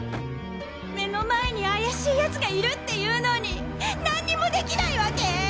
目の前に怪しい奴がいるっていうのに何にもできないわけ！？